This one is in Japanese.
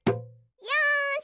よし！